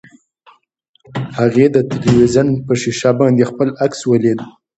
هغې د تلویزیون په ښیښه باندې خپل عکس ولید.